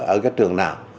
ở cái trường nào